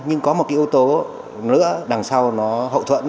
nhưng có một cái yếu tố nữa đằng sau nó hậu thuẫn